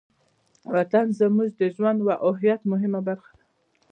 وطن زموږ د ژوند او هویت مهمه برخه ده.